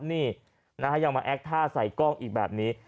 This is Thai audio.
ให้เอามาแอกท่าใส่กล้องอีกแบบนี้